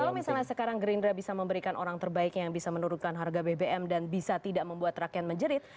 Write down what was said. kalau misalnya sekarang gerindra bisa memberikan orang terbaik yang bisa menurunkan harga bbm dan bisa tidak membuat rakyat menjerit